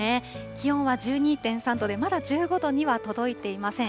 気温は１２．３度で、まだ１５度には届いていません。